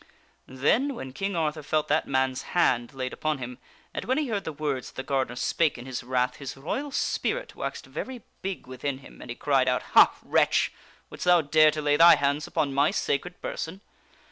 Then, when King Arthur felt that man's hand laid upon him, and when he heard the words that the gardener spake in his wrath, his royal spirit waxed very big within him and he cried out :" Ha, wretch ! wouldst thou dare to lay thy hands upon my sacred person?